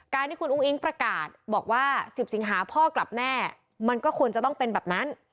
ที่คุณอุ้งอิ๊งประกาศบอกว่า๑๐สิงหาพ่อกลับแม่มันก็ควรจะต้องเป็นแบบนั้น